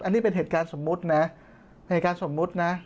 อันนี้เป็นเหตุการณ์สมมุตินะเหตุการณ์สมมุตินะ